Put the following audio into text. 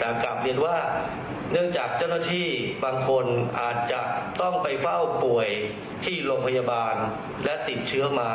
กลับเรียนว่าเนื่องจากเจ้าหน้าที่บางคนอาจจะต้องไปเฝ้าป่วยที่โรงพยาบาลและติดเชื้อมา